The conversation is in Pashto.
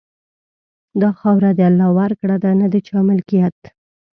دا خاوره د الله ورکړه ده، نه د چا ملکیت.